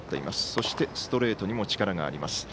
そして、ストレートにも力があります。